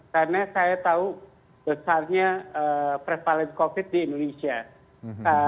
karena saya tahu besarnya prevalent covid di indonesia